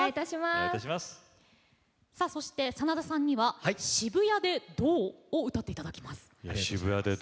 そして、真田さんには「渋谷でどう？」を歌っていただきます。